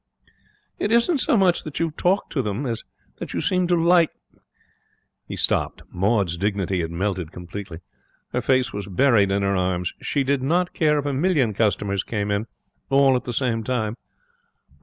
'It isn't so much that you talk to them as that you seem to like ' He stopped. Maud's dignity had melted completely. Her face was buried in her arms. She did not care if a million customers came in, all at the same time.